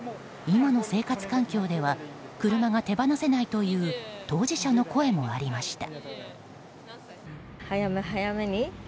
今の生活環境では車が手放せないという当事者の声もありました。